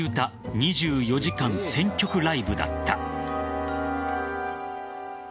２４時間１０００曲ライブだった。